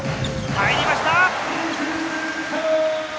入りました！